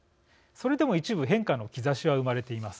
それでも一部変化の兆しは生まれています。